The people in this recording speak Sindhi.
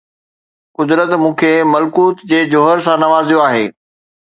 قدرت مون کي ملڪوت جي جوهر سان نوازيو آهي